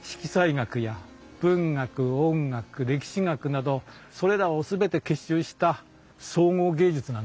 学や文学音楽歴史学などそれらを全て結集した総合芸術なんです。